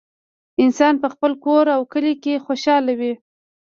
انسان په خپل کور او کلي کې خوشحاله وي